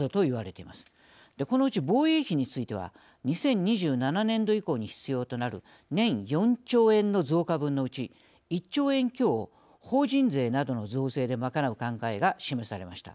このうち防衛費については２０２７年度以降に必要となる年４兆円の増加分のうち１兆円強を法人税などの増税で賄う考えが示されました。